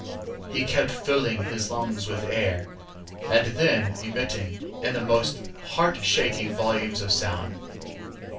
He kept filling his lungs with air, and then emitting it in the most heart shaking volumes of sound.